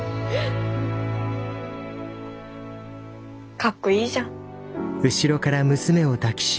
かっこいいじゃん。